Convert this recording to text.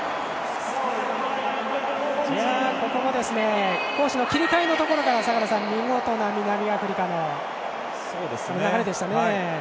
ここも攻守の切り替えのところから坂田さん、見事な南アフリカの流れでしたね。